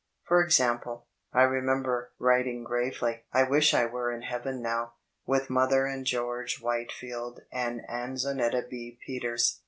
For example, I remember writing gravely "I wish I were in Heaven now, with Mother and George Whitfield and Anzonetta B. Peters."